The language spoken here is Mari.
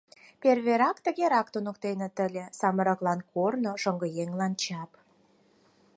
Перверак тыгерак туныктеныт ыле: «Самырыклан — корно, шоҥгыеҥлан — чап».